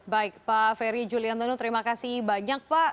baik pak ferry juliantono terima kasih banyak pak